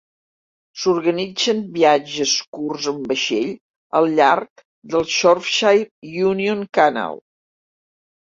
S'organitzen viatges curts en vaixell al llarg del Shropshire Union Canal.